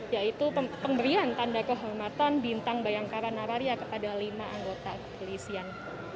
yaitu pemberian tanda kehormatan bintang bayangkara nararia kepada lima anggota kepolisian